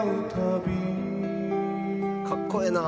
かっこええな。